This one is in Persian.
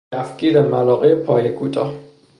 کفگیر ملاقه پایه کوتاه